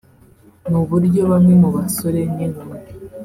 ni uburyo bamwe mu basore n’inkumi